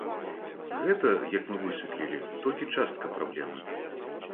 Гэта, як мы высветлілі, толькі частка праблемы.